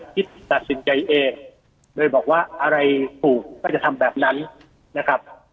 คิดตัดสินใจเองโดยบอกว่าอะไรถูกก็จะทำแบบนั้นนะครับ